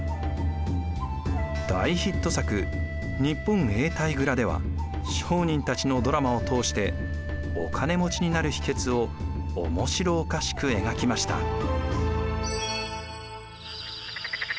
大ヒット作「日本永代蔵」では商人たちのドラマを通してお金持ちになる秘けつを面白おかしく描きました。